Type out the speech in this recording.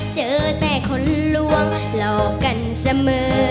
เจอแต่คนลวงหลอกกันเสมอ